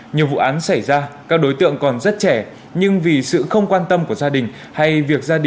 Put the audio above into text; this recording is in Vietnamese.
những đối tượng mới thấy việc làm của mình là sai trái